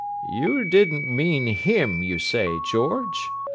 "You didn't mean 'him,' you say, George?